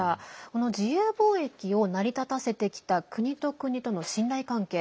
この自由貿易を成り立たせてきた国と国との信頼関係。